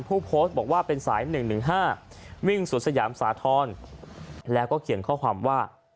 ผู้โพสต์บอกว่าเป็นสาย๑๑๕วิ่งสุดสยามสาธรณ์แล้วก็เขียนข้อความว่า